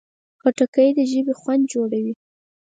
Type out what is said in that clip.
خټکی د ژبې خوند جوړوي.